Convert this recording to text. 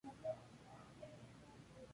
El clima es frío y seco.